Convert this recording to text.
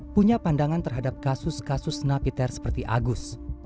punya pandangan terhadap kasus kasus napiter seperti agus